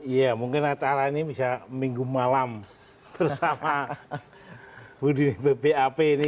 ya mungkin acara ini bisa minggu malam bersama budi bap ini